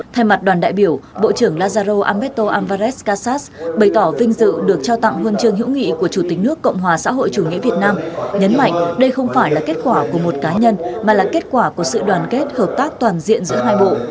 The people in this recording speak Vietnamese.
thay mặt đoàn đại biểu bộ trưởng lazaro ameto alvarez kassas bày tỏ vinh dự được trao tặng huân chương hữu nghị của chủ tịch nước cộng hòa xã hội chủ nghĩa việt nam nhấn mạnh đây không phải là kết quả của một cá nhân mà là kết quả của sự đoàn kết hợp tác toàn diện giữa hai bộ